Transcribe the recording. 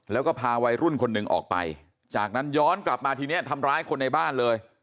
แล้วก็พาวัยรุ่นคนหนึ่งออกไปจากนั้นย้อนกลับมาทีนี้ทำร้ายคนในบ้านเลย